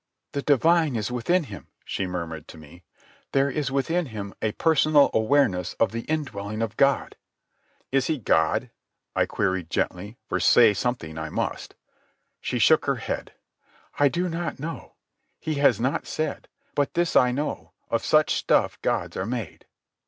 "The Divine is within Him," she murmured to me. "There is within Him a personal awareness of the indwelling of God." "Is he God?" I queried, gently, for say something I must. She shook her head. "I do not know. He has not said. But this I know: of such stuff gods are made."